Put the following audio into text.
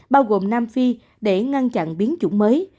bao gồm nam phi để ngăn chặn biến chủng mới